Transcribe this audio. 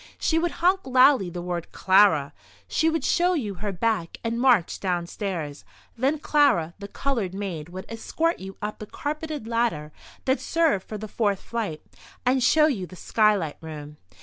She would honk loudly the word "Clara," she would show you her back, and march downstairs. Then Clara, the coloured maid, would escort you up the carpeted ladder that served for the fourth flight, and show you the Skylight Room.